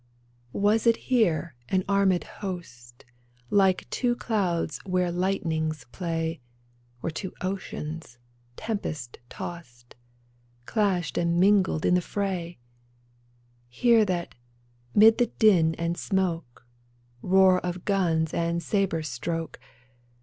I30 GETTYSBURG Was it here an armed host Like two clouds where lightnings play, Or two oceans, tempest tost. Clashed and mingled in the fray ? Here that, 'mid the din and smoke, Roar of guns and sabre stroke.